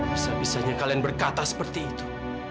bisa bisanya kalian berkata seperti itu